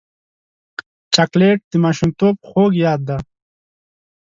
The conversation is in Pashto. چاکلېټ د ماشومتوب خوږ یاد دی.